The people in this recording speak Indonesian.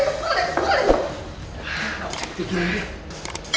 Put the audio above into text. kesel ya kesel ya kesel